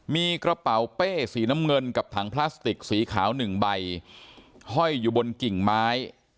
มีกระเป๋าเป้สีน้ำเงินกับถังพลาสติกสีขาวหนึ่งใบห้อยอยู่บนกิ่งไม้